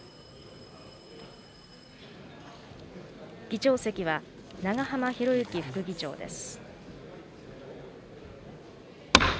議長席は、長浜博行副議長です。